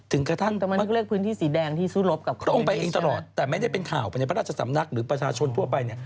ถึงกระทั่งพระองค์ไปเองตลอดแต่ไม่ได้เป็นข่าวประชาสำนักหรือประชาชนทั่วไป